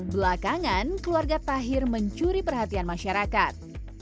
belakangan keluarga tahir mencuri perhatian masyarakat